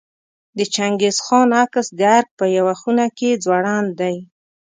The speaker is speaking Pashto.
د چنګیز خان عکس د ارګ په یوه خونه کې ځوړند دی.